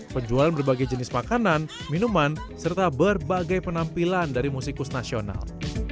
penjualan berbagai jenis makanan minuman serta berbagai penampilan dari musikus nasional